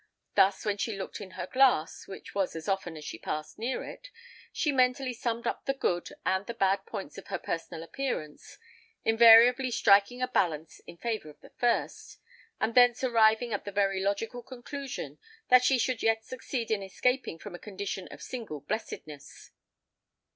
Thus, when she looked in her glass—which was as often as she passed near it—she mentally summed up the good and the bad points of her personal appearance, invariably striking a balance in favour of the first, and thence arriving at the very logical conclusion that she should yet succeed in escaping from a condition of single blessedness.